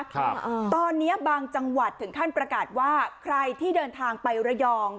ครับอ่าตอนเนี้ยบางจังหวัดถึงขั้นประกาศว่าใครที่เดินทางไประยอง